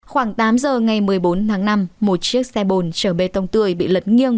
khoảng tám giờ ngày một mươi bốn tháng năm một chiếc xe bồn chở bê tông tươi bị lật nghiêng